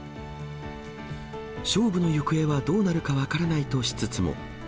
勝負の行方はどうなるか分からないとしつつも。